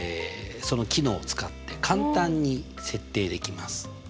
その機能を使って簡単に設定できます。